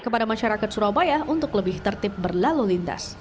kepada masyarakat surabaya untuk lebih tertib berlalu lintas